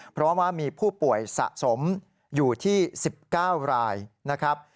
เพราะว่ามีผู้ป่วยสะสมอยู่ที่๑๙รายนะครับ